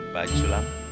pak aji sulam